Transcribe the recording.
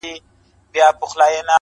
په اوله کي ترخه وروسته خواږه وي,